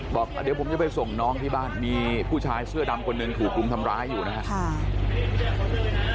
บอกเดี๋ยวผมจะไปส่งน้องที่บ้านมีผู้ชายเสื้อดำคนหนึ่งถูกรุมทำร้ายอยู่นะครับ